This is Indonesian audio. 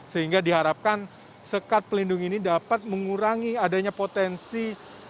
sehingga diharapkan sekat pelindung ini dapat mengurangi adanya potensi